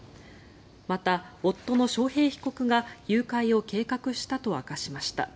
また、夫の章平被告が誘拐を計画したと明かしました。